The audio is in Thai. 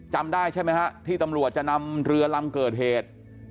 จำได้ใช่ไหมฮะที่ตำรวจจะนำเรือลำเกิดเหตุ